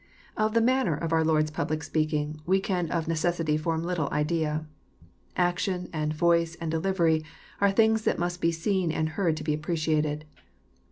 Of the manner of our Lord's public speaking, we can of necessity form little idea. Action, and voice, and de livery are things that must be seen and heard to be appre* ciated.